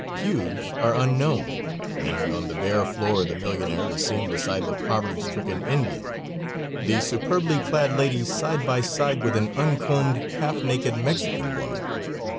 Pews are unknown, and on the bare floor the millionaire is seen beside the poverty stricken Indian; the superbly clad lady side by side with an uncombed, half naked Mexican woman.